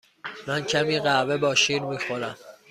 من کمی قهوه با شیر می خورم.